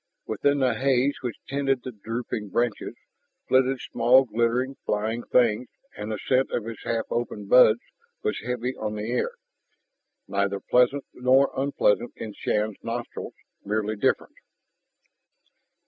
Within the haze which tented the drooping branches, flitted small glittering, flying things; and the scent of its half open buds was heavy on the air, neither pleasant nor unpleasant in Shann's nostrils, merely different.